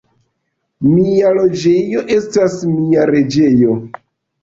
Mia loĝejo estas mia reĝejo.